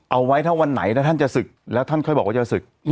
เอาไว้ถ้าวันไหนถ้าท่านจะศึกแล้วท่านค่อยบอกว่าจะศึก